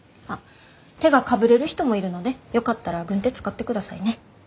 手がかぶれる人もいるのでよかったら軍手使ってくださいね。